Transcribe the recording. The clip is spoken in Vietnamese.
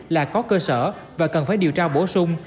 là có cơ sở và cần phải điều tra bổ sung